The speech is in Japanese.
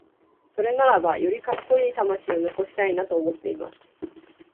それならばよりカッコイイ魂を残したいなと思っています。